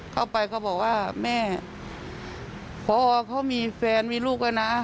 เขาบอกว่าแม่พอเขามีแฟนมีลูกแล้วนะ